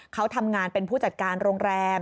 เขาทำงานเป็นผู้จัดการโรงแรม